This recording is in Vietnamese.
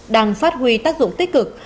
đang phát huy tác dụng tích cực